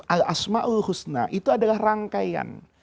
al asma'ul husna itu adalah rangkaian